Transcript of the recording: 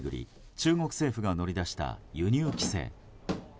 中国政府が乗り出した輸入規制。